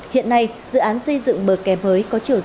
hiện nay dự án xây dựng bờ kè mới có chiều dài